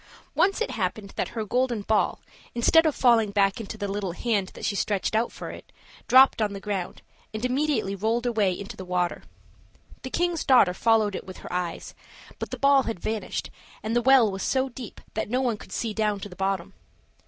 Once it happened that her golden ball, instead of falling back into the little hand that she stretched out for it, dropped on the ground, and immediately rolled away into the water. The king's daughter followed it with her eyes, but the ball had vanished, and the well was so deep that no one could see down to the bottom.